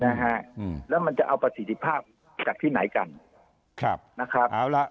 นะฮะอืมแล้วมันจะเอาประสิทธิภาพจากที่ไหนกันครับนะครับเอาล่ะ